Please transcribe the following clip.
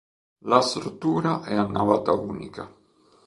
La struttura è a navata unica.